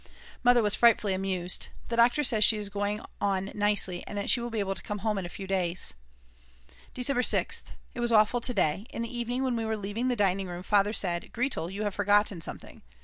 Mother was frightfully amused. The doctor says she is going on nicely, and that she will be able to come home in a few days. December 6th. It was awful to day. In the evening when we were leaving the dining room Father said: "Gretl you have forgotten something."